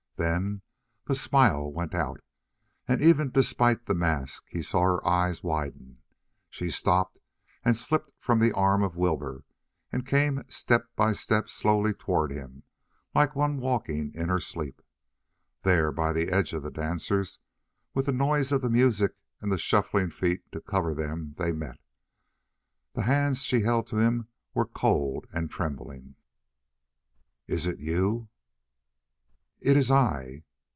Then the smile went out, and even despite the mask, he saw her eyes widen. She stopped and slipped from the arm of Wilbur, and came step by step slowly toward him like one walking in her sleep. There, by the edge of the dancers, with the noise of the music and the shuffling feet to cover them, they met. The hands she held to him were cold and trembling. "Is it you?" "It is I."